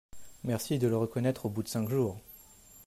Merci de le reconnaître au bout de cinq jours